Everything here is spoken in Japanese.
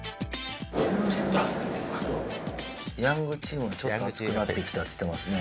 ヤングチームはちょっと暑くなってきたって言ってますね